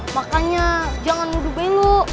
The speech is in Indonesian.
makanya jangan mudu belok